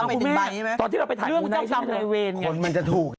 คุณแม่ตอนที่เราไปถ่ายดูด้านในเวน